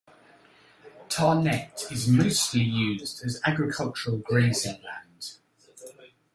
Tarneit is mostly used as agricultural grazing land.